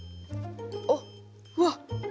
あっうわっ！